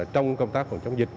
trong công tác phòng chống dịch